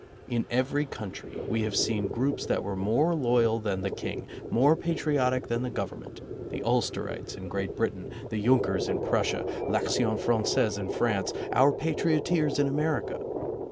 In every country we have seen groups that were more loyal than the king — more patriotic than the Government — the Ulsterites in Great Britain, the Junkers in Prussia, l'Action Franchise in France, our patrioteers in America.